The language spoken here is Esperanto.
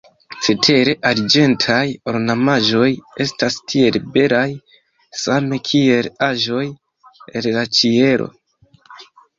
Cetere arĝentaj ornamaĵoj estas tiel belaj, same kiel aĵoj el la ĉielo.